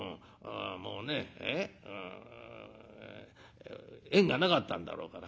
もうね縁がなかったんだろうから。